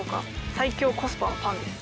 最強コスパのパンです。